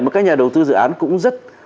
một cái nhà đầu tư dự án cũng rất